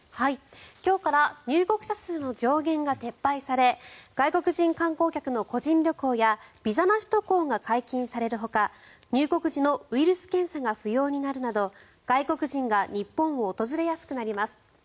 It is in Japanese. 今日から入国者数の上限が撤廃され外国人観光客の個人旅行やビザなし渡航が解禁されるほか入国時のウイルス検査が不要になるなど外国人が日本を訪れやすくなります。